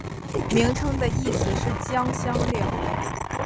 名称的意思是将香料。